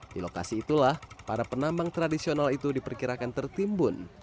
di lokasi itulah para penambang tradisional itu diperkirakan tertimbun